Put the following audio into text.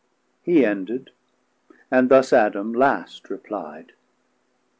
550 He ended; and thus Adam last reply'd.